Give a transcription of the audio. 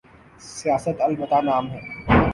سیاست؛ البتہ نام ہے۔